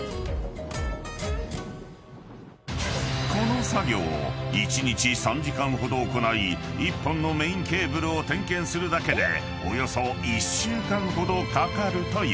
［この作業を１日３時間ほど行い１本のメインケーブルを点検するだけでおよそ１週間ほどかかるという］